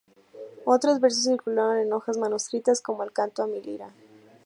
Otros versos circularon en hojas manuscritas, como el canto "A mi lira".